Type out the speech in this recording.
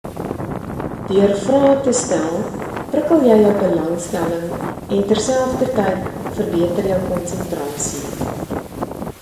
Deur vrae te stel, prikkel jy jou belangstelling en terselfdertyd verbeter jou konsentrasie.